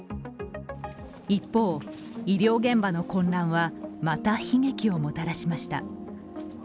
一方、医療現場の混乱はまた悲劇をもたらしました。